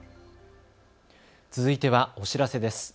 続いてはお知らせです。